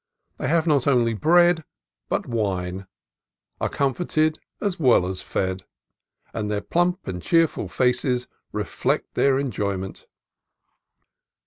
They have not only bread, but wine; are comforted as well as fed; and their plump and cheerful faces reflect their enjoyment.